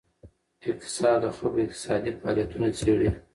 اقتصاد د خلکو اقتصادي فعالیتونه څیړي.